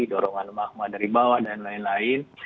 dorongan magma dari bawah dan lain lain